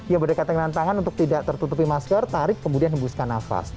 ya berdekatan dengan tangan untuk tidak tertutupi masker tarik kemudian hembuskan nafas